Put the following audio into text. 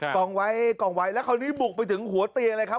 กองไว้กองไว้แล้วคราวนี้บุกไปถึงหัวเตียงเลยครับ